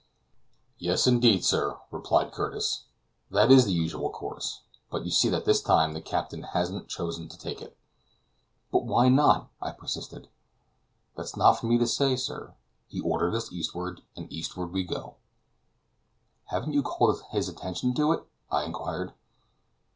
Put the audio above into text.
"Yes, indeed, sir," replied Curtis, "that is the usual course; but you see that this time the captain hasn't chosen to take it." "But why not?" I persisted. "That's not for me to say, sir; he ordered us eastward, and eastward we go." "Haven't you called his attention to it?" I inquired.